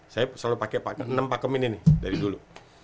saya selalu pakai enam pakam ini nih dari dulu